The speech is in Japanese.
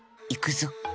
いくぞ。